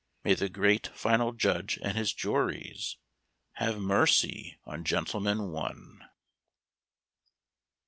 May the great Final Judge and His juries Have mercy on "Gentleman, One"!